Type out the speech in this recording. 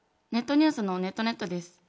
ネットニュースのネットネットです。